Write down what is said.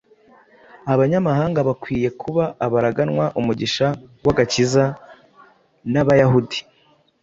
abanyamahanga bakwiriye kuba abaraganwa umugisha w’agakiza n’Abayahudi.